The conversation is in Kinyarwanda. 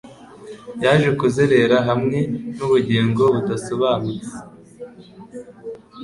Yaje kuzerera hamwe n'ubugingo budasobanutse